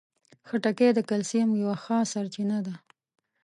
خټکی د کلسیم یوه ښه سرچینه ده.